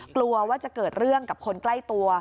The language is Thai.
กลัวว่าจะเกิดเรื่องกับคนใกล้ตัว